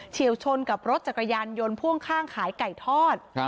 เชี่ยวชนกับรถจักรยานยนต์พ่วงข้างขายไก่ทอด